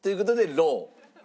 ロー。